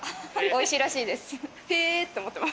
おいしいらしいです。